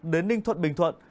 đến ninh thuận bình thuận